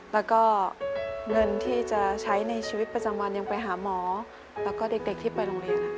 แล้วก็เงินที่จะใช้ในชีวิตประจำวันยังไปหาหมอแล้วก็เด็กที่ไปโรงเรียน